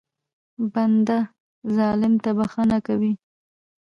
بنده ظالم ته بښنه کوي.